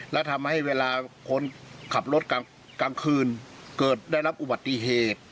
และทำให้เวลาคนขับรถกลางคืนเกิดได้รับอุบัติเหตุ